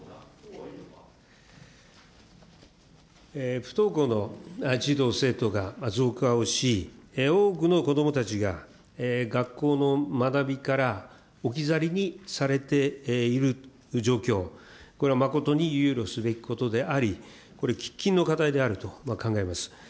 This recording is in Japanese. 不登校の児童・生徒が増加をし、多くの子どもたちが学校の学びから置き去りにされている状況、これは誠に憂慮すべきことであり、これ、喫緊の課題であると考えます。